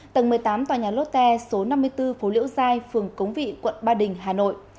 tầng một mươi tám tòa nhà lốt tè số năm mươi bốn phố liễu giai phường cống vị quận ba đình hà nội